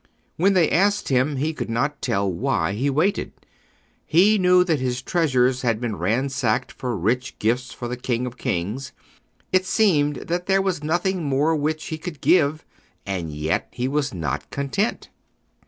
When they asked him he could not tell why he waited. He knew that his treasuries had been ransacked for rich gifts for the King of Kings. It seemed that there was nothing more which he could give, and yet he was not content.